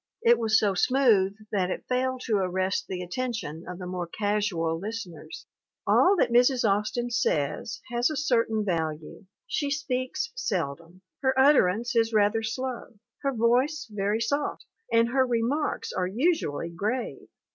It was so smooth that it failed to arrest the attention of the more casual listeners. ... "All that Mrs. Austin says has a certain value. She speaks seldom. Her utterance is rather slow, her voice very soft, and her remarks are usually grave.